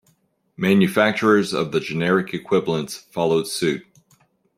Manufacturers of the generic equivalents followed suit.